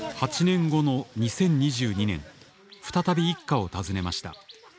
８年後の２０２２年再び一家を訪ねました。